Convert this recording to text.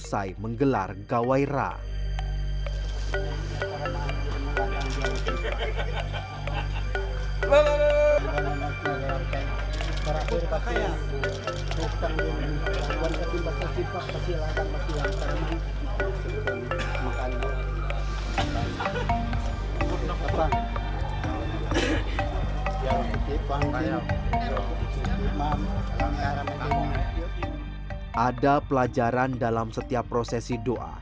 kami mengharapkan juga kepada bapak ibu